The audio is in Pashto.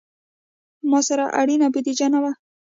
ما سره اړینه بودیجه نه وه.